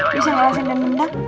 bisa ngerasain dia nendang